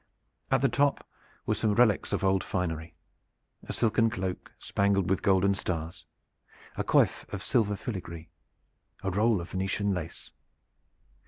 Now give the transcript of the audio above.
At the top were some relics of old finery: a silken cloak spangled with golden stars, a coif of silver filigree, a roll of Venetian lace.